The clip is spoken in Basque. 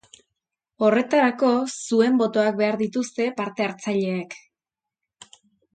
Horretarako, zuen botoak behar dituzte parte-hartzaileek.